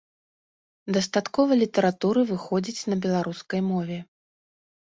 Дастаткова літаратуры выходзіць на беларускай мове.